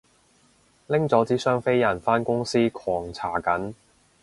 拎咗支雙飛人返公司狂搽緊